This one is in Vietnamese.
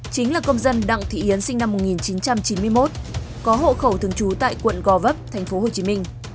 chính là công dân đặng thị yến sinh năm một nghìn chín trăm chín mươi một có hộ khẩu thường trú tại quận gò vấp tp hcm